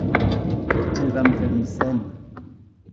Elle va me faire une scène !